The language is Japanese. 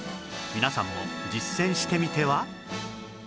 皆さんも実践してみては？